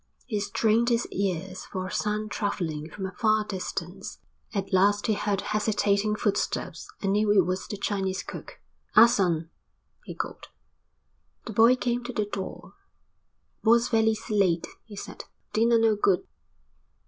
He strained his ears for a sound travelling from a far distance. At last he heard hesitating footsteps and knew it was the Chinese cook. "Ah Sung," he called. The boy came to the door. "Boss velly late," he said. "Dinner no good."